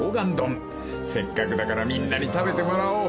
［せっかくだからみんなに食べてもらおう］